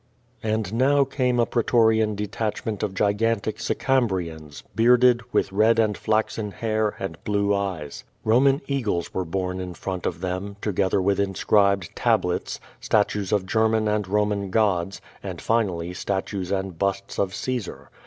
And now came a pretorian detachment of gigantic Sicam brians, bearded, with red and flaxen hair, and blue eyes. Soman eagles were borne in front of them, together with in scribed tablets, statues of German and Roman gods, and finally statues and busts of Caesar.